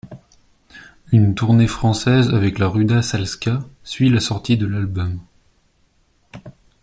Une tournée française avec la Ruda Salska suit la sortie de l'album.